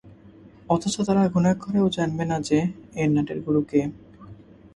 অথচ তারা ঘুণাক্ষরেও জানবে না যে, এর নাটের গুরু কে।